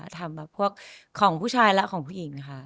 ทำแบบพวกของผู้ชายและของผู้หญิงค่ะ